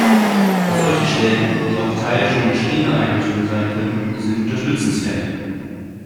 Solche Stellen, die auch Teil schon bestehender Einrichtungen sein können, sind unterstützenswert.